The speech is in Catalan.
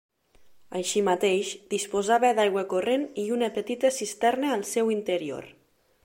Així mateix disposava d’aigua corrent i una petita cisterna al seu interior.